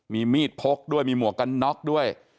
มีมีดพกด้วยมีหมวกกันน็อกด้วย